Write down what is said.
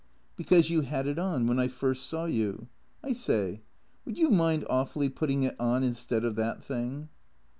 " Because you had it on when I first saw you. I say, would you mind awfully putting it on instead of that thing